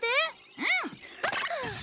うん。